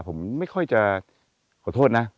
ผมไม่ค่อยจะขอโทษนะ